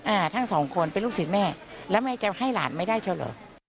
อ่าทั้งสองคนเป็นลูกศิษย์แม่แล้วแม่จะให้หลานไม่ได้เช่าเหรอ